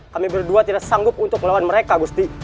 kami berdua tidak sanggup untuk melawan mereka gusti